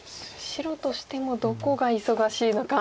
白としてもどこが忙しいのか。